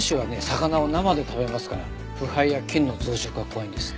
魚を生で食べますから腐敗や菌の増殖が怖いんです。